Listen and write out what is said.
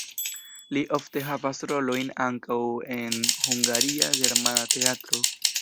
Li ofte havas rolojn ankaŭ en Hungaria Germana Teatro.